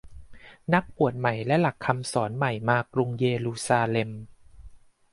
นักบวชใหม่และหลักคำสอนใหม่มากรุงเยรูซาเล็ม